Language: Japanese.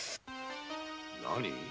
何？